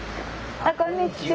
あこんにちは！